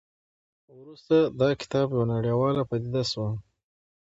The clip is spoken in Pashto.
وروسته دا کتاب یوه نړیواله پدیده شوه.